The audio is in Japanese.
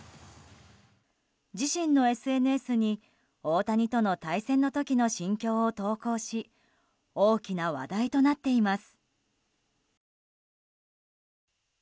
自身のＳＮＳに大谷との対戦の時の心境を投稿し大きな話題となっています。